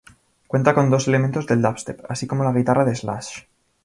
Cuenta con elementos del dubstep, así como la guitarra de Slash.